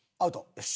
よし！